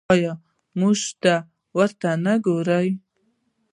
آیا موږ ورته نه ګورو؟